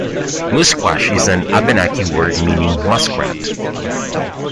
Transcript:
Musquash is an Abenaki word meaning "muskrat".